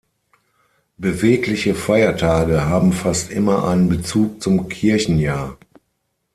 Bewegliche Feiertage haben fast immer einen Bezug zum Kirchenjahr.